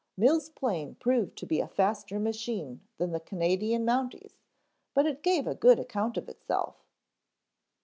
Mills' plane proved to be a faster machine than the Canadian Mountie's, but it gave a very good account of itself.